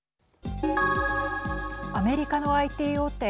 アメリカのＩＴ大手